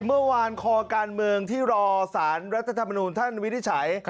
เมื่อวานคอการเมืองที่รอสารรัฐธรรมนูลท่านวินิจฉัย